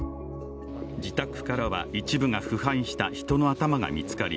自宅からは一部が腐敗した人の頭が見つかり